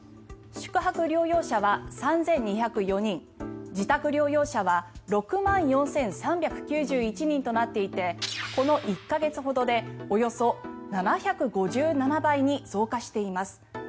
宿泊療養者は３２０４人自宅療養者は６万４３９１人となっていてこの１か月ほどでおよそ７５７倍に増加しています。